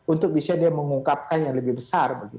untuk bisa dia mengungkapkan yang lebih besar